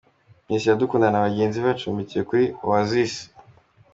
Miss Iradukunda na bagenzi bacumbikiwe kuri Oasis O.